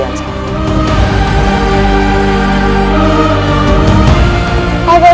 mulai sekarang kamu bisa memanggilku dengan sebutan